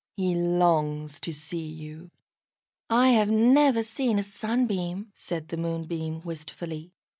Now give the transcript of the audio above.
He longs to see you." "I have never seen a Sunbeam," said the Moonbeam, wistfully.